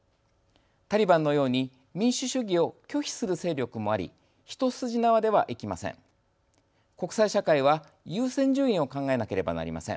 タリバンのように民主主義を拒否する勢力もあり一筋縄ではいきません。